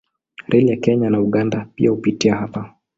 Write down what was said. Reli ya Kenya na Uganda pia hupitia hapa.